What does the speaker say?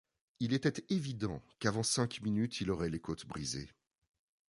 Il était évident qu’avant cinq minutes il aurait les côtes brisées.